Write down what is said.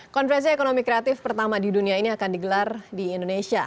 konferensi ekonomi kreatif pertama di dunia ini akan digelar di indonesia